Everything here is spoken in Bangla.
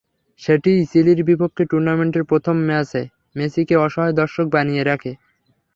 সেটিই চিলির বিপক্ষে টুর্নামেন্টের প্রথম ম্যাচে মেসিকে অসহায় দর্শক বানিয়ে রাখে।